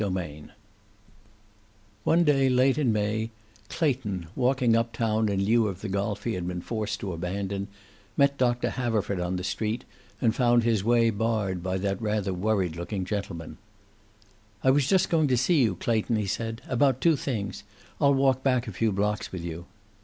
CHAPTER XL One day late in May, Clayton, walking up town in lieu of the golf he had been forced to abandon, met Doctor Haverford on the street, and found his way barred by that rather worried looking gentleman. "I was just going to see you, Clayton," he said. "About two things. I'll walk back a few blocks with you."